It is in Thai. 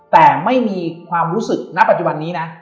แต่ไม่มีความรู้สึกณปัจจุบันนี้นะ